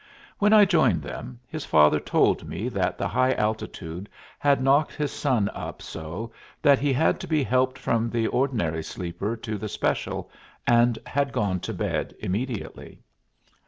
When I joined them, his father told me that the high altitude had knocked his son up so, that he had to be helped from the ordinary sleeper to the special and had gone to bed immediately.